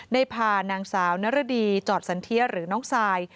ได้พานางสาวนรดีจอดสันเทียหรือน้องซาย